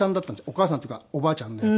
お母さんっていうかおばあちゃんの役。